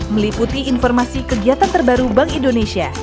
meliputi informasi kegiatan terbaru bank indonesia